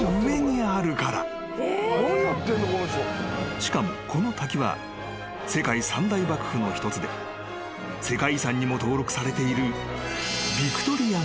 ［しかもこの滝は世界三大瀑布の一つで世界遺産にも登録されている］